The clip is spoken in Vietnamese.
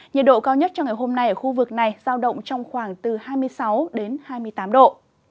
nhiệt độ cao nhất cho ngày hôm nay ở khu vực này giao động trong khoảng từ hai mươi sáu hai mươi tám độ